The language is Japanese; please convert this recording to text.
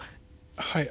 はい。